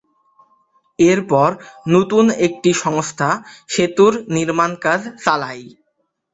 এর পর নতুন এক সংস্থা সেতুর নির্মাণকাজ চালায়।